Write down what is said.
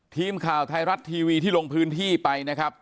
ทีมข่าวไทยรัฐทีวีที่ลงพื้นที่ไปนะครับ